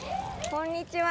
こんにちは。